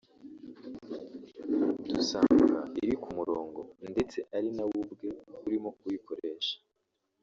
dusanga iri kumurongo ndetse ari na we ubwe urimo kuyikoresha